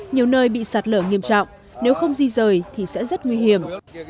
nhiều nơi bị sạt lở nghiêm trọng nếu không di rời thì sẽ rất nguy hiểm